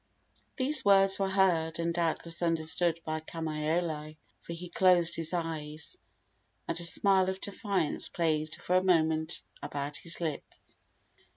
These words were heard and doubtless understood by Kamaiole, for he closed his eyes, and a smile of defiance played for a moment about his lips.